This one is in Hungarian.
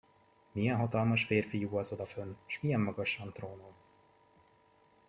Milyen hatalmas férfiú az odafönn, s milyen magasan trónol!